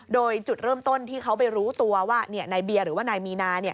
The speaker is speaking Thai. โดยจุดเริ่มต้นที่เขาไปรู้ตัวว่านายเบียร์หรือว่านายมีนา